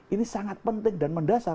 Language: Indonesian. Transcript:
ini sangat penting dan mendasar